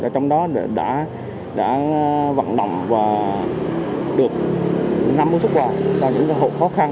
trong đó đã vận động và được năm sức quà cho những hộ khó khăn